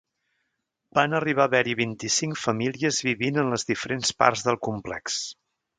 Van arribar a haver-hi cinc famílies vivint en les diferents parts del complex.